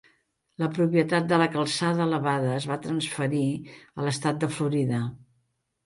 La propietat de la calçada elevada es va transferir a l'estat de Florida.